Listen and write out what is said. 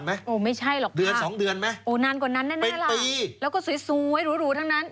โอ้ไม่ใช่หรอกครับเป็นปีแล้วก็สวยหรูทั้งนั้นโอ้ไม่ใช่หรอกครับ๒เดือนไหมแล้วก็สวยหรูทั้งนั้น